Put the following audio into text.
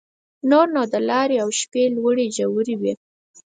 نور نو د لارې او شپې لوړې ژورې وې.